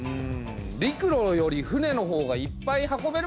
陸路より船のほうがいっぱい運べるもんね。